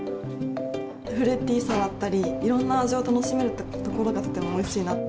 フルーティーさだったり、いろんな味わいを楽しめるところがとてもおいしいなって。